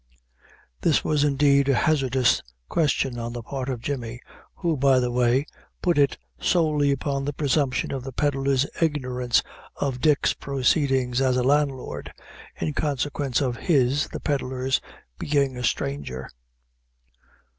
This was indeed a hazardous question on the part of Jemmy; who, by the way, put it solely upon the presumption of the peddlar's ignorance of Dick's proceedings as a landlord, in consequence of his (the pedlar) being a stranger.